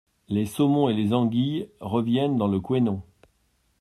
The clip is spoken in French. Les saumons et les anguilles reviennent dans le Couesnon.